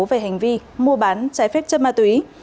về hành vi mua bán trái phép chất ma túy